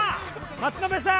松延さん！